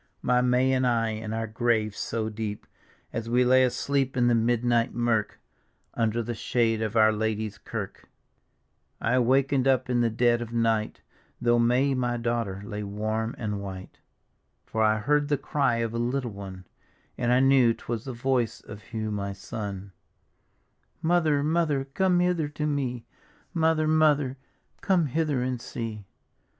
My May and I, in our grave so deep. As we lay asleep in the midnight mirk, Under the shade of Our Lady's Kirk, I waken'd up in the dead of night, Though May my daughter lay wann and whit^ For I heard the cry of a little one, And I knew 'twas the voice of Hugh m; son : "Mother, Mother, come hither to mc; Mother, Mother, come hither and see!